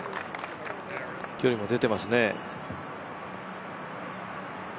距離も出てますね。